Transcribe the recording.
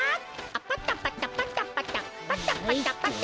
パタパタパタパタパタパタパタ。